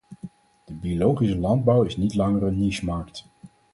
De biologische landbouw is niet langer een nichemarkt.